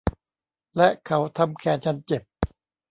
และเขาทำแขนฉันเจ็บ